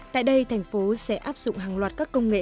tại đây thành phố sẽ áp dụng hàng loạt các công nghệ